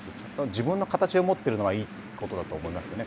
自分の形を持っているのがいいことだと思いますよね。